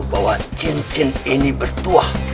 bahwa cincin ini bertuah